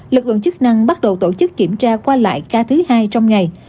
lực lượng chức năng bắt đầu tổ chức kiểm tra qua lại ca thứ hai trong ngày